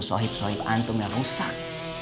sohib soib antum yang rusak